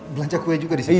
belanja kue juga di sini